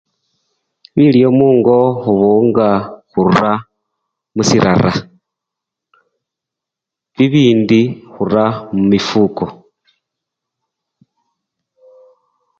Bilyo mungo khubunga khura musirara.